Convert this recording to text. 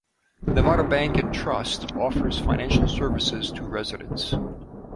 Nevada Bank and Trust offers financial services to residents.